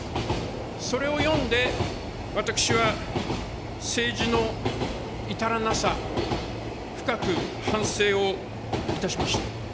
それを読んで、私は政治の至らなさ、深く反省をいたしました。